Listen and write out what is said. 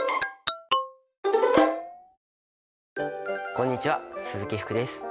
こんにちは鈴木福です。